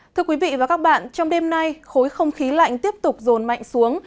thưa quý vị và các bạn trong đêm nay khối không khí lạnh tiếp tục rồn mạnh xuống